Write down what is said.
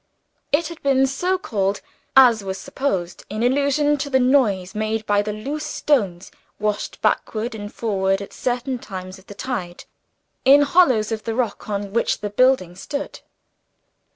It had been so called (as was supposed) in allusion to the noise made by loose stones, washed backward and forward at certain times of the tide, in hollows of the rock on which the building stood.